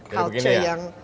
hal ini yang